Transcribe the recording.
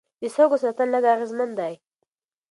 د سږو سرطان لږ اغېزمن دی.